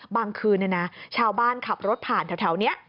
เมื่อคืนชาวบ้านขับรถผ่านแถวนี้